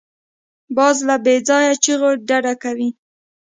باز له بېځایه چیغو ډډه کوي